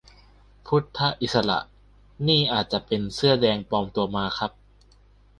พุทธอิสระนี่อาจจะเป็นเสื้อแดงปลอมตัวมาครับ